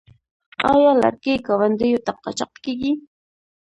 آیا لرګي ګاونډیو ته قاچاق کیږي؟